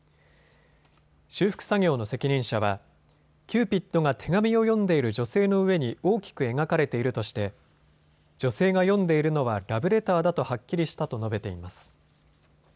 修復作業の責任者はキューピッドが手紙を読んでいる女性の上に大きく描かれているとして女性が読んでいるのはラブレターだとはっきりしたと述べています。